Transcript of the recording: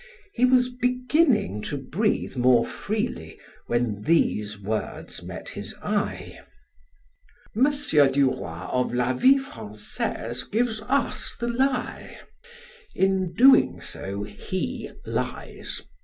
He was beginning to breathe more freely when these words met his eye: "M. Duroy of 'La Vie Francaise' gives us the lie! In doing so, he lies.